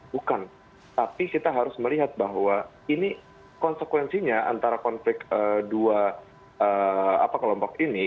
bukan tapi kita harus melihat bahwa ini konsekuensinya antara konflik dua kelompok ini